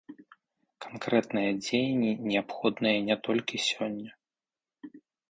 Канкрэтныя дзеянні неабходныя не толькі сёння.